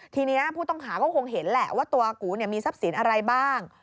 ทีนี้ผู้ต้องหาก็คงเห็นแหละว่าตัวกูมีทรัพย์สินอะไรบ้าง